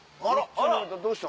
あら！